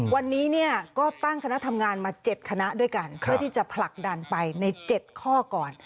วันนี้ก็ตั้งคณะทำงานมา๗คณะด้วยกันเพื่อที่จะผลักดันไปใน๗ข้อก่อน